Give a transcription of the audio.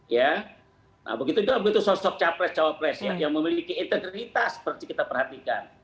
ya nah begitu juga begitu sosok capres cawapres yang memiliki integritas seperti kita perhatikan